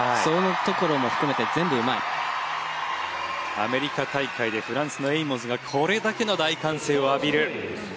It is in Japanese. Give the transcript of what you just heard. アメリカ大会でフランスのエイモズがこれだけの大歓声を浴びる。